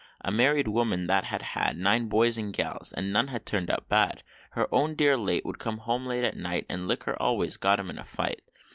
A married woman that had had Nine boys and gals, and none had turned out bad Her own dear late would come home late at night, And liquor always got him in a fight.